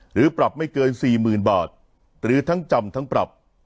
หรือปรับไม่เกิน๔๐๐๐บาทหรือทั้งจำทั้งปรับ